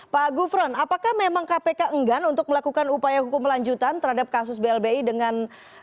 pak gufron apakah memang kpk enggan untuk melakukan upaya hukum melanjutan terhadap kasus blbi dengan